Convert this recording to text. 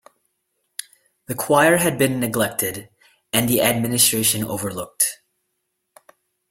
The choir had been neglected and the administration overlooked.